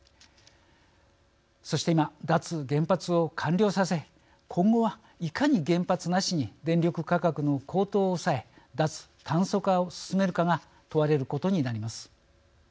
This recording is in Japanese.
そして今脱原発を完了させ今後はいかに原発なしに電力価格の高騰を抑え脱炭素化を進めるかが問われることになります。